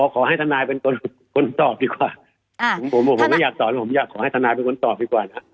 ขอให้ทนายเป็นคนตอบดีกว่าผมอยากขอให้ทนายเป็นคนตอบดีกว่านะครับ